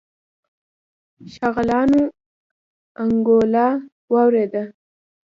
شغالانو انګولا واورېدله.